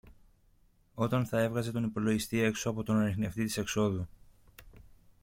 όταν θα έβγαζε τον υπολογιστή έξω από τον ανιχνευτή της εξόδου